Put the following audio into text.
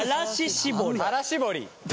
垂ら絞り。